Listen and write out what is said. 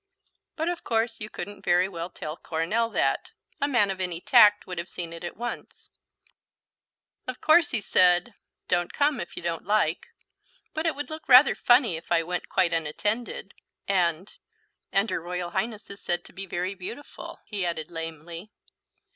But of course you couldn't very well tell Coronel that. A man of any tact would have seen it at once. "Of course," he said, "don't come if you don't like. But it would look rather funny if I went quite unattended; and and her Royal Highness is said to be very beautiful," he added lamely.